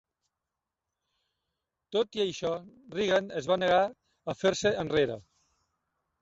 Tot i això, Reagan es va negar a fer-se enrere.